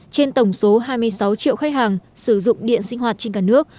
trên tổng số hai mươi sáu triệu khách hàng sử dụng điện sinh hoạt trên cả nước